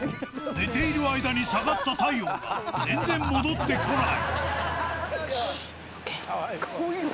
寝ている間に下がった体温が全然戻ってこない。